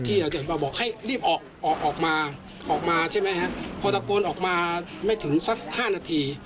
เดินมาบอกให้รีบออกออกออกมาออกมาใช่ไหมฮะพอตะโกนออกมาไม่ถึงสักห้านาที